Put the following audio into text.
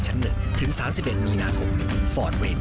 ฟันของเราต่อมากินแล้วนะ